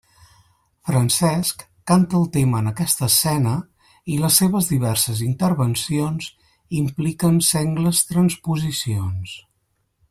Francesc canta el tema en aquesta escena i les seves diverses intervencions impliquen sengles transposicions.